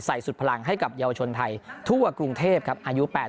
สุดพลังให้กับเยาวชนไทยทั่วกรุงเทพครับอายุ๘๐